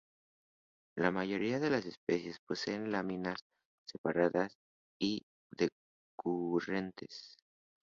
La mayoría de las especies poseen láminas separadas y decurrentes.